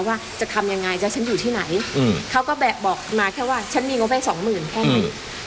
ว่าจะทำยังไงจะฉันอยู่ที่ไหนเขาก็แบบบอกมาแค่ว่าฉันมีงบให้สองหมื่นแค่นั้น